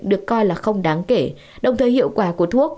được coi là không đáng kể đồng thời hiệu quả của thuốc